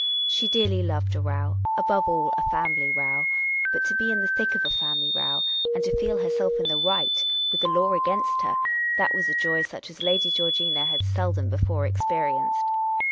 She dearly loved a row — above all, a family row ; but to be in the thick of a family row, and to feel herself in the right, with the law against her — that was joy such as Lady Georgina had seldom before experienced.